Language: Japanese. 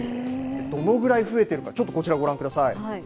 どのぐらい増えているかちょっとこちら、ご覧ください。